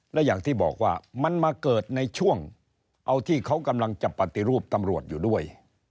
และอย่างที่บอกว่ามันมาเกิดในช่วงเอาที่เขากำลังจะปฏิรูปตำรวจอยู่ด้วย